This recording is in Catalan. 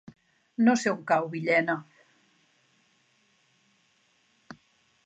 No sé on cau Villena.